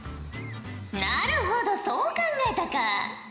なるほどそう考えたか。